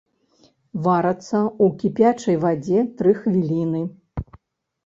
Варацца ў кіпячай вадзе тры хвіліны.